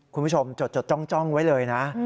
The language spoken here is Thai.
คุณผู้ชมจดจ้องไว้เลยนะ